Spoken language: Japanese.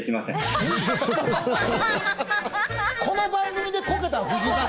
この番組でこけたの藤井さん